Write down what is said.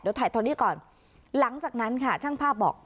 เดี๋ยวถ่ายตอนนี้ก่อนหลังจากนั้นค่ะช่างภาพบอก